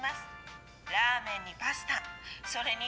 ラーメンにパスタそれに。